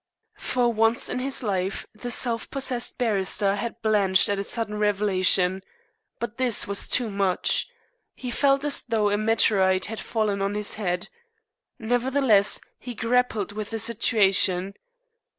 For once in his life the self possessed barrister had blanched at a sudden revelation. But this was too much. He felt as though a meteorite had fallen on his head. Nevertheless, he grappled with the situation.